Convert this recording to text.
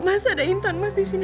mas ada intan di sini